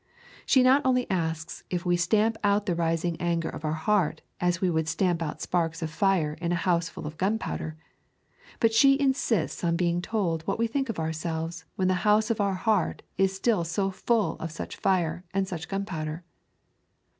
She not only asks if we stamp out the rising anger of our heart as we would stamp out sparks of fire in a house full of gunpowder; but she insists on being told what we think of ourselves when the house of our heart is still so full of such fire and such gunpowder.